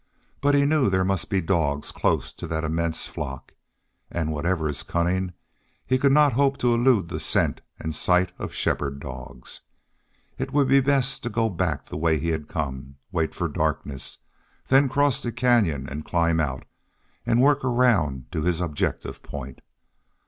But he knew there must be dogs close to that immense flock. And, whatever his cunning, he could not hope to elude the scent and sight of shepherd dogs. It would be best to go back the way he had come, wait for darkness, then cross the canyon and climb out, and work around to his objective point.